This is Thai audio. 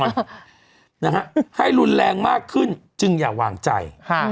นะฮะให้รุนแรงมากขึ้นจึงอย่าวางใจ